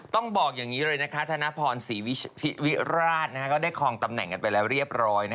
ต้องบอกอย่างนี้เลยนะคะธนพรศรีวิราชก็ได้คลองตำแหน่งกันไปแล้วเรียบร้อย